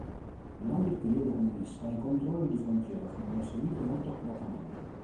Durante il periodo comunista i controlli di frontiera furono eseguiti molto accuratamente.